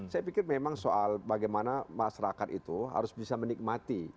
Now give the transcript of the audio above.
saya pikir memang soal bagaimana masyarakat itu harus bisa menikmati